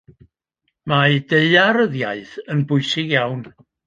Mae daearyddiaeth yn bwysig iawn.